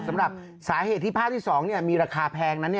สำหรับสาเหตุที่ภาพที่๒มีราคาแพงนั้น